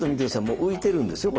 もう浮いてるんですよ